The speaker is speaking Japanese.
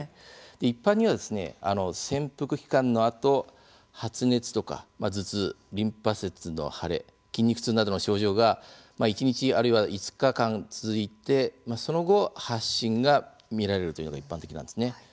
一般には、潜伏期間のあと発熱とか頭痛、リンパ節の腫れ筋肉痛などの症状が一日、あるいは５日間続いてその後、発疹が見られるというのが一般的なんですね。